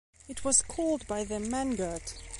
It was called by them "mangurt".